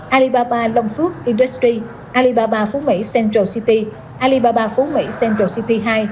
alibaba long phước industri alibaba phú mỹ central city alibaba phú mỹ central city hai